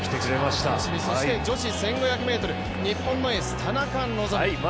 そして女子１５００ｍ日本のエース・田中希実。